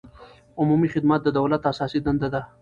عمومي خدمت د دولت اساسي دنده ده.